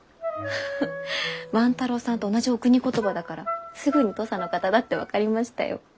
フフ万太郎さんと同じおくに言葉だからすぐに土佐の方だって分かりましたよ。